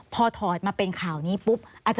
พอถอดมาเป็นข่าวนี้ปุ๊บ